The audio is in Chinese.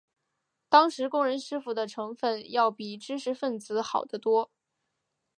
当时工人师傅的成分要比知识分子好得多。